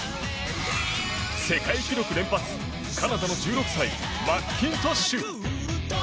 世界記録連発、カナダの１６歳マッキントッシュ。